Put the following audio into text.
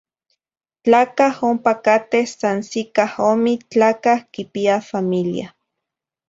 Tlacah ompa cateh san sicah omi; tlacah quipia familia.